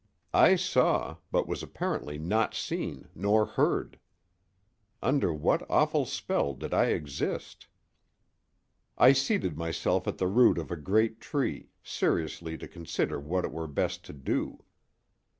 I saw, but was apparently not seen nor heard. Under what awful spell did I exist? I seated myself at the root of a great tree, seriously to consider what it were best to do.